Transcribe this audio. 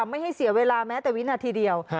ไม่ให้เสียเวลาแม้แต่วินาทีเดียว